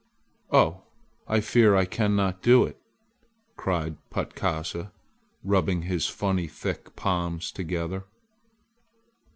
"Oh, I fear I cannot do it!" cried Patkasa, rubbing his funny, thick palms together.